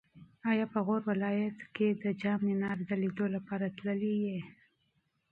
ایا په غور ولایت کې د جام منار د لیدو لپاره تللی یې؟